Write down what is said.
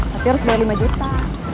tapi harus bayar lima juta